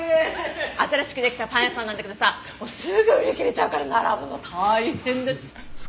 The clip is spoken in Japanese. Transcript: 新しく出来たパン屋さんなんだけどさもうすぐ売り切れちゃうから並ぶの大変だっ。